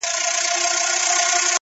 کور مي ورانېدی ورته کتله مي؛